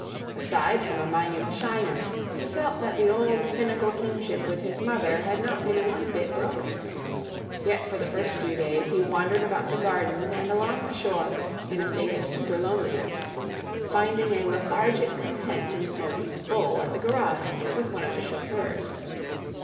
Aside from a minute shyness, he felt that the old cynical kinship with his mother had not been one bit broken. Yet for the first few days he wandered about the gardens and along the shore in a state of superloneliness, finding a lethargic content in smoking "Bull" at the garage with one of the chauffeurs.